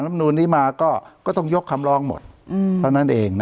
ธรรมดูลนี้มาก็ก็ต้องยกคำลองหมดอืมเพราะนั่นเองนะ